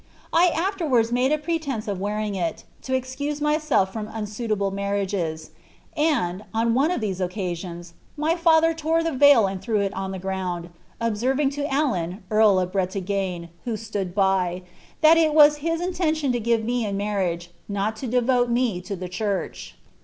I tflcTWards made a pretence of wearing it, to excuse myself from nnsuil able marriages ; and, on one of these occasions, my father tore the vril ■nd threw it on the ground, observing to Alan earl of Bretagne. wfci stood hy, that it was his intention to give me in marriage, tiot to devoK me to the church."